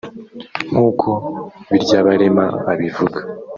nk’uko Biryabarema abivuga